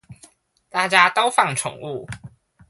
大家都放寵物